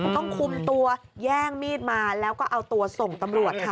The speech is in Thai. ต้องคุมตัวแย่งมีดมาแล้วก็เอาตัวส่งตำรวจค่ะ